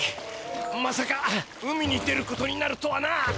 まさか海に出ることになるとはな。